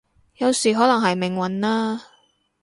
有時可能係命運啦